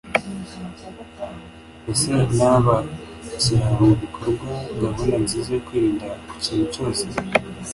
mbese naba nshyira mu bikorwa gahunda nziza yo kwirinda ku kintu cyose